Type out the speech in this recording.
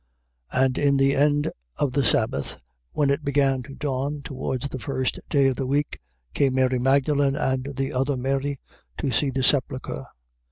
28:1. And in the end of the sabbath, when it began to dawn towards the first day of the week, came Mary Magdalen and the other Mary, to see the sepulchre.